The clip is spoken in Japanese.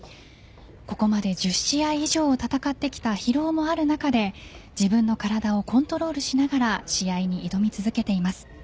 ここまで１０試合以上を戦ってきた疲労もある中で自分の体をコントロールしながら試合に挑み続けています。